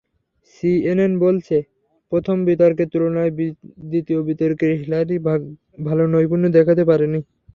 CNN বলছে, প্রথম বিতর্কের তুলনায় দ্বিতীয় বিতর্কে হিলারি ভালো নৈপূণ্য দেখাতে পারেননি।